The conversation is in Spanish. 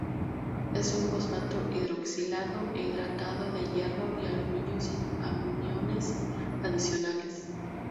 Es un fosfato hidroxilado e hidratado de hierro y aluminio, sin aniones adicionales.